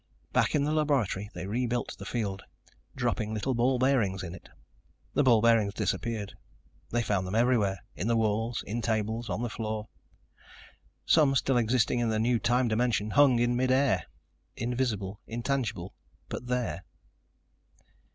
Back in the laboratory they rebuilt the field, dropped little ball bearings in it. The ball bearings disappeared. They found them everywhere in the walls, in tables, in the floor. Some, still existing in their new time dimension, hung in mid air, invisible, intangible, but there.